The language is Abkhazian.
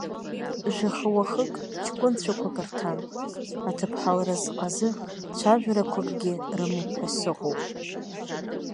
Жәаха уахык ҷкәынцәақәак рҭан, аҭыԥҳа лразҟ азы цәажәарақәакгьы рымоуп ҳәа сыҟоуп.